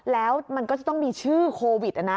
แล้วมันก็จะต้องมีชื่อโควิดนะนะ